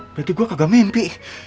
berarti gue kagak mimpi